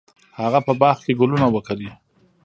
هغه په باغ کې ګلونه وکري.